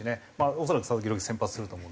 恐らく佐々木朗希先発すると思うんですけど。